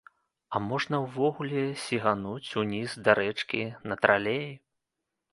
А можна ўвогуле сігануць ўніз да рэчкі на тралеі.